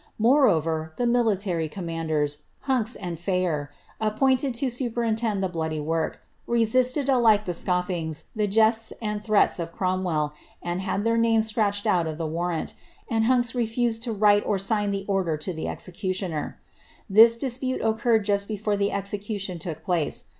Moreover, commanders, Huncks and Phayer, appointed to superintend work, resisted alike the scoffings, the jests, and threats of and had their names scratched out of the warrant,* and used to write or sign the order to the executioner. This urred just before the execution took place.